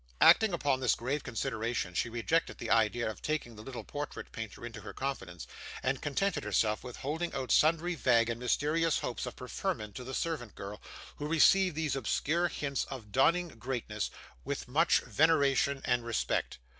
Acting upon this grave consideration she rejected the idea of taking the little portrait painter into her confidence, and contented herself with holding out sundry vague and mysterious hopes of preferment to the servant girl, who received these obscure hints of dawning greatness with much veneration and respect.